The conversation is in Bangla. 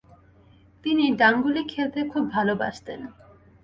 তিনি ডাংগুলি খেলতে খুব ভালোবাসতেন।